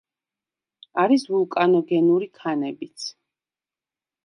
არის ვულკანოგენური ქანებიც.